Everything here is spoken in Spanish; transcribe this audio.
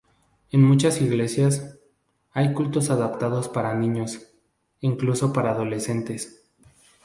En muchas iglesias, hay cultos adaptados para niños, incluso para adolescentes.